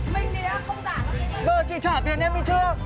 bây giờ chị trả tiền em đi trước